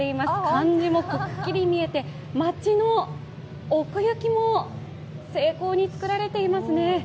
漢字もくっきり見えて街の奥行きも精巧に作られていますね。